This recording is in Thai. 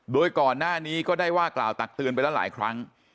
โดยก่อนหน้านี้ก็ได้ว่ากล่าวตักเตือนไปแล้วหลายครั้ง